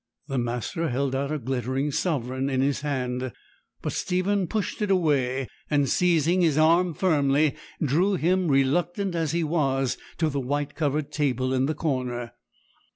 The master held out a glittering sovereign in his hand, but Stephen pushed it away, and, seizing his arm firmly, drew him, reluctant as he was, to the white covered table in the corner.